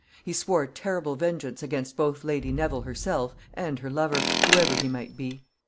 He swore terrible vengeance against both Lady Neville herself and her lover, whoever he might be.